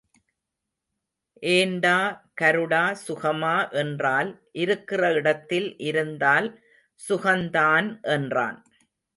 ஏண்டா கருடா சுகமா என்றால், இருக்கிற இடத்தில் இருந்தால் சுகந்தான் என்றான்.